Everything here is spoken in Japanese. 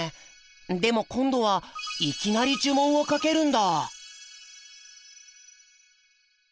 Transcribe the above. でも今度はいきなり呪文をかけるんだ。